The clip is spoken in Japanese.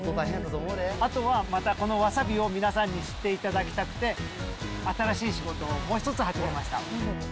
あとは、またこのわさびを皆さんに知っていただきたくて、新しい仕事をもう一つ始めました。